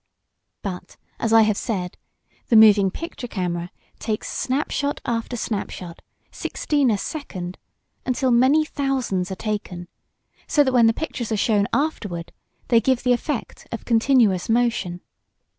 But, as I have said, the moving picture camera takes snapshot after snapshot sixteen a second until many thousands are taken, so that when the pictures are shown afterward they give the effect of continuous motion.